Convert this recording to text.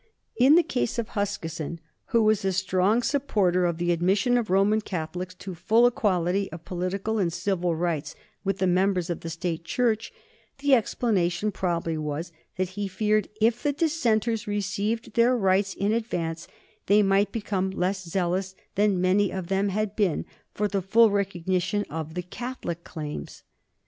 In the case of Huskisson, who was a strong supporter of the admission of Roman Catholics to full equality of political and civic rights with the members of the State Church, the explanation probably was that he feared if the Dissenters received their rights in advance they might become less zealous than many of them had been for the full recognition of the Catholic claims.